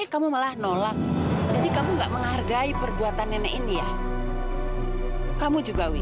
kamu jangan pulang demi aku